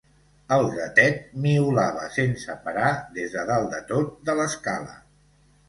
El gatet miolava sense parar des de dalt de tot de l'escala.